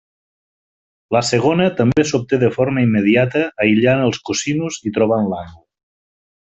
La segona també s'obté de forma immediata aïllant el cosinus i trobant l'angle.